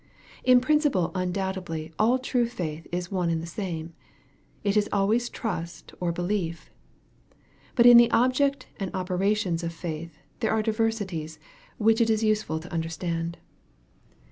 In principle undoubtedly all true faith is one and the same. It is always trust or belief. But in the object and operations of faith, there are diversities, which it is useful to under stand.